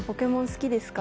好きですか？